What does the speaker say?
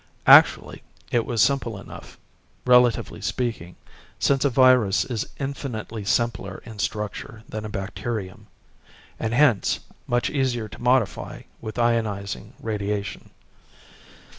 Actually, it was simple enough, relatively speaking, since a virus is infinitely simpler in structure than a bacterium, and hence much easier to modify with ionizing radiation.